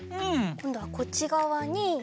こんどはこっちがわに。